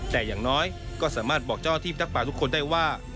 แต่อย่างน้อยก็สามารถบอกเจ้าที่ทักป่าทุกคนได้ว่า